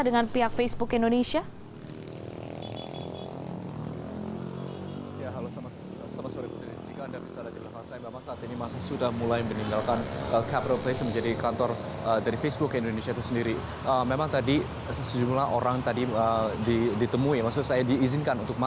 dengan pihak facebook indonesia